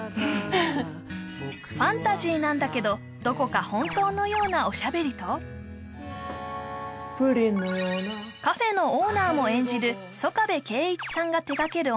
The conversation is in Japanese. ファンタジーなんだけどどこか本当のようなおしゃべりとプリンのようなカフェのオーナーも演じる曽我部恵一さんが手がける